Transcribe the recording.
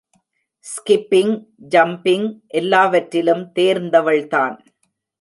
Skipping, jumping எல்லாவற்றிலும் தேர்ந்தவள் தான்.